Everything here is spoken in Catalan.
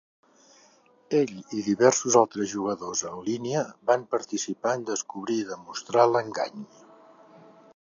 Ell i diversos altres jugadors en línia van participar en descobrir i demostrar l'engany.